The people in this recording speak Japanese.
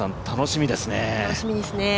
楽しみですね。